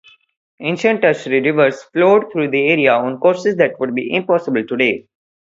Ancient Tertiary rivers flowed through the area on courses that would be impossible today.